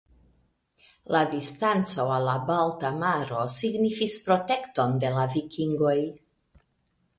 La distanco al la Balta Maro signifis protekton de la vikingoj.